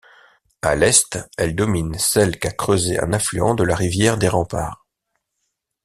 À l'est, elle domine celle qu'a creusée un affluent de la Rivière des Remparts.